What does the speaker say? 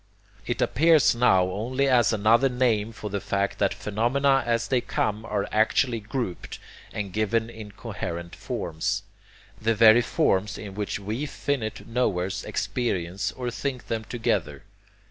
It appears now only as another name for the fact that phenomena as they come are actually grouped and given in coherent forms, the very forms in which we finite knowers experience or think them together.